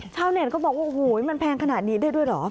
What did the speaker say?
เน็ตก็บอกว่าโอ้โหมันแพงขนาดนี้ได้ด้วยเหรอ